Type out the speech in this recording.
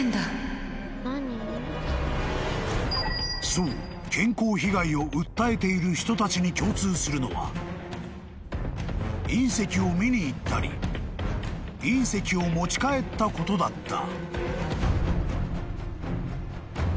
［そう健康被害を訴えている人たちに共通するのは隕石を見に行ったり隕石を持ち帰ったことだった］